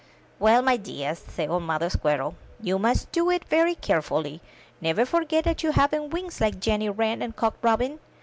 *' "Well, my dears,'* said old Mother Squirrel, '*you must do it very carefully; never forget that you haven't wings like Jenny Wren and Cock Robin."